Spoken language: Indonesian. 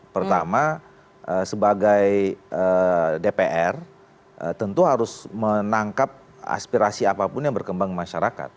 pertama sebagai dpr tentu harus menangkap aspirasi apapun yang berkembang di masyarakat